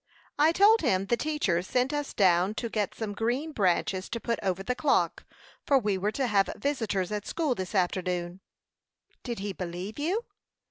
"I told him the teacher sent us down to get some green branches to put over the clock, for we were to have visitors at school this afternoon." "Did he believe you?"